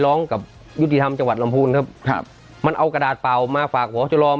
ร้องกับยุติธรรมจังหวัดลำพูนครับครับมันเอากระดาษเปล่ามาฝากหัวจะรอง